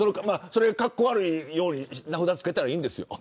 それがかっこ悪いように名札付けたらいいんですよ。